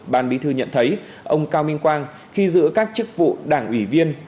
bà mỹ thư nhận thấy ông cao minh quang khi giữ các chức vụ đảng ủy viên